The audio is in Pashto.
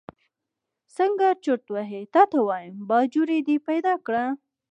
څنګه چرت وهې تا ته وایم، باجوړ دې پیدا کړ.